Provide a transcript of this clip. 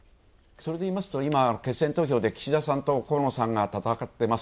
それで言いますと、決選投票で岸田さんと河野さんが戦ってます。